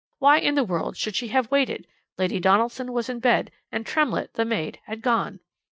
Why in the world should she have waited? Lady Donaldson was in bed, and Tremlett, the maid, had gone.